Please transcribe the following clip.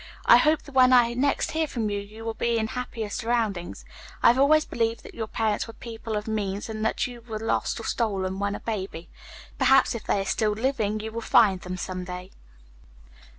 I hope that when I next hear from you, you will be in happier surroundings. I have always believed that your parents were people of means and that you were lost or stolen when a baby. Perhaps if they are still living you will find them some day.'"